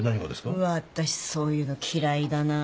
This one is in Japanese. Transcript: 私そういうの嫌いだな。